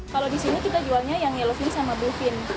kalau di sini kita jualnya yang yellowfin sama bluefin